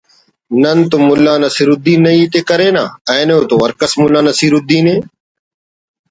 نن تو ملا نصر الدین نا ہیت ءِ کرینہ اینو تو ہر کس ملا نصرالدین